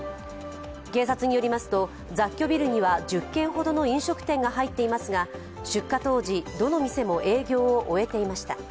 警察によりますと雑居ビルには１０軒ほどの飲食店が入っていますが出火当時、どの店も営業を終えていました。